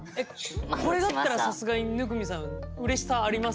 これだったらさすがに生見さんうれしさあります？